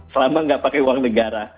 selama nggak pakai uang negara